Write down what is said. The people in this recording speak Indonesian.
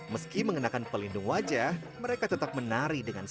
meski mengenakan pelindung wajah mereka tetap menari dengan sehat